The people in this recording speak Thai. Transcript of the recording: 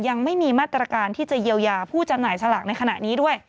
ยังไม่มีมาตรการที่จะเยียวยาผู้จำหน่ายสลากในขณะนี้ด้วย